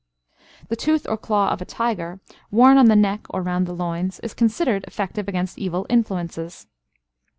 The tooth or claw of a tiger, worn on the neck or round the loins, is considered effective against evil influences.